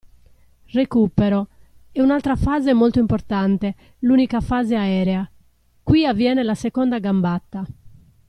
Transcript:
Recupero: è un'altra fase molto importante, l'unica fase aerea. Qui avviene la seconda gambata.